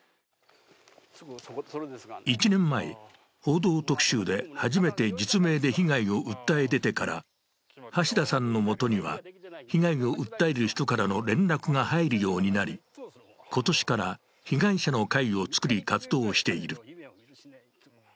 １年前、「報道特集」で初めて実名で被害を訴え出てから橋田さんの元には被害を訴える人からの連絡が入るようになり、今年から被害者の会を作り、活動している。